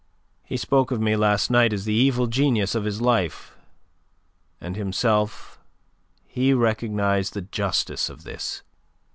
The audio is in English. He spoke of me last night as the evil genius of his life, and himself he recognized the justice of this.